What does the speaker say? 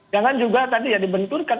jangan juga tadi ya dibenturkan